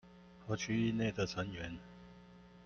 和區域內的成員